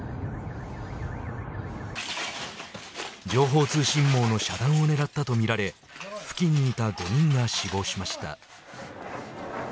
情報通信網の遮断を狙ったとみられ付近にいた５人が死亡しました。